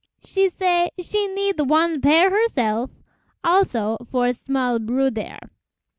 She say she need wan pair herself, Also for small bruddére.